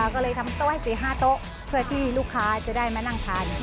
ก็เลยทำโต๊ะให้๔๕โต๊ะเพื่อที่ลูกค้าจะได้มานั่งทาน